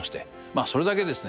まあそれだけですね